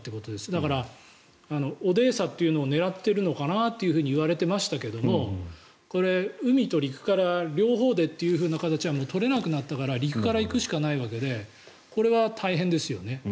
だから、オデーサというのを狙っているのかなといわれていましたがこれ、海と陸から両方でという形はもう取れなくなったから陸から行くしかないわけでこれは大変ですよね。